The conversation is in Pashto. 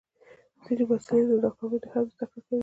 ځینې محصلین له ناکامۍ نه هم زده کړه کوي.